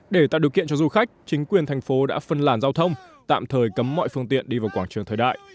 để tạo điều kiện cho du khách chính quyền thành phố đã phân làn giao thông tạm thời cấm mọi phương tiện đi vào quảng trường thời đại